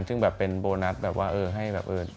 ซึ่งแบบเป็นโบนัสแบบว่าเออให้แบบเออ